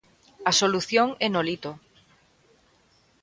A solución é Nolito.